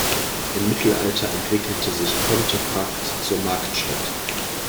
Im Mittelalter entwickelte sich Pontefract zur Marktstadt.